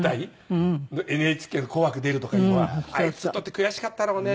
ＮＨＫの『紅白』に出るとかいうのはあいつにとって悔しかったろうね。